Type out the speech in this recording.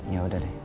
ya udah deh